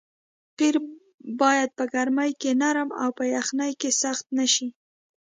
قیر باید په ګرمۍ کې نرم او په یخنۍ کې سخت نه شي